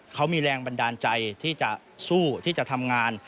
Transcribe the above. เขามีแรงบันดาลใจที่จะสู้ที่จะทำงาน